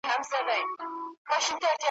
څرنګه چي شعر مخاطب لري ,